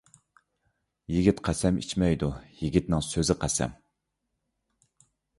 يىگىت قەسەم ئىچمەيدۇ، يىگىتنىڭ سۆزى قەسەم.